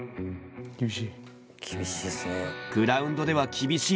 厳しい。